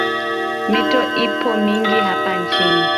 Mito iko mingi hapa nchini